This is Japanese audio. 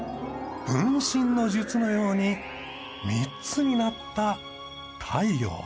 分身の術のように３つになった太陽。